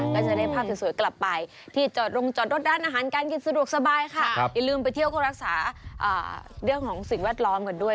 ก็จะได้ภาพสวยกลับไปที่จอดลงจอดรถร้านอาหารการกินสะดวกสบายค่ะอย่าลืมไปเที่ยวก็รักษาเรื่องของสิ่งแวดล้อมกันด้วย